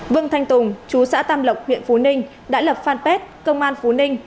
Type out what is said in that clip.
vương thanh tùng chú xã tam lộc huyện phú ninh đã lập fanpage công an phú ninh